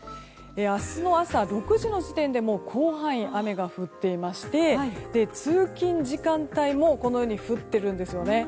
明日の朝６時の時点ですでに広範囲で雨が降っていまして通勤時間帯もこのように降っているんですよね。